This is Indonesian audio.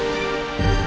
saya sudah menang